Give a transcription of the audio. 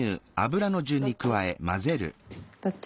どっち？